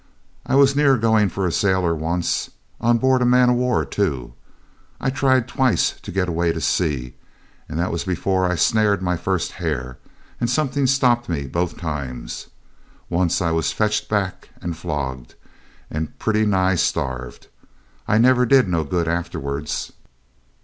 I was near going for a sailor once, on board a man o' war, too. I tried twice to get away to sea, that was before I'd snared my first hare, and something stopped me both times. Once I was fetched back and flogged, and pretty nigh starved. I never did no good afterwards.